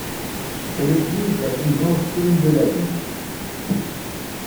C'est l'église la plus ancienne de la ville.